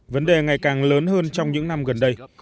vấn đề ngày càng lớn hơn trong những năm gần đây